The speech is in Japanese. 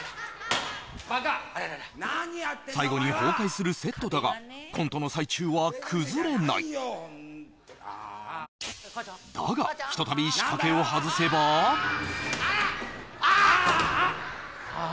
バカあららら最後に崩壊するセットだがコントの最中は崩れないだがひとたび仕掛けを外せばああ！